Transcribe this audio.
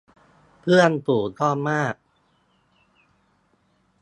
เพื่อนฝูงก็มาก